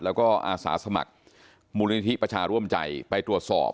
แล้วก็อาสาสมัครมูลนิธิประชาร่วมใจไปตรวจสอบ